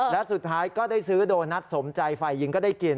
และสุดท้ายก็ได้ซื้อโดนัทสมใจฝ่ายหญิงก็ได้กิน